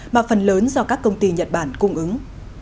mà phần lớn do các công ty nhật bản cung ứng